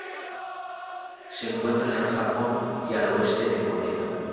Se encuentra en el Japón y al oeste de Corea.